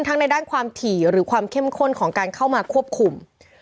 ในด้านความถี่หรือความเข้มข้นของการเข้ามาควบคุม